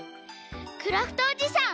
クラフトおじさん